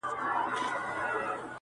ته د انصاف تمه لا څنګه لرې؟٫